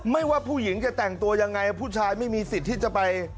ไม่ว่าผู้หญิงจะแทีกตัวยังไง